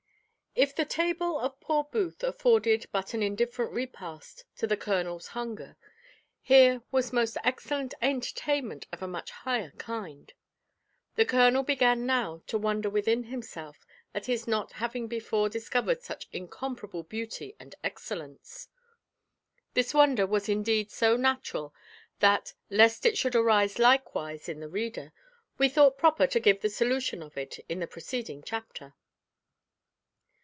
_ If the table of poor Booth afforded but an indifferent repast to the colonel's hunger, here was most excellent entertainment of a much higher kind. The colonel began now to wonder within himself at his not having before discovered such incomparable beauty and excellence. This wonder was indeed so natural that, lest it should arise likewise in the reader, we thought proper to give the solution of it in the preceding chapter.